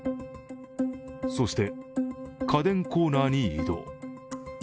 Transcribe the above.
そして、家電コーナーに移動。